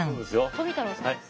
富太郎さんです。